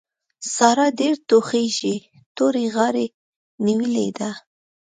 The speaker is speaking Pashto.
سارا ډېره ټوخېږي؛ تورې غاړې نيولې ده.